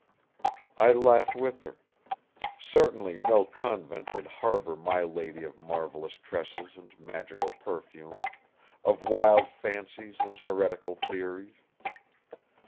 I laughed with her. Certainly no convent would harbor my lady of marvelous tresses and magical perfume, of wild fancies and heretical theories.